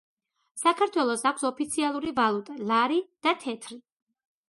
საქართველოს აქვს ოფიალური ვალუტა ,,ლარი" და ,,თეთრი".